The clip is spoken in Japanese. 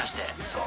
そう。